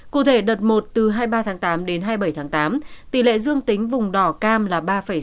cụ thể đợt một từ hai mươi ba tháng tám đến hai mươi bảy tháng tám tỷ lệ dương tính vùng đỏ cam là ba sáu mươi